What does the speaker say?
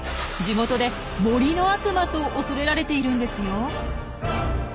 地元で「森の悪魔」と恐れられているんですよ。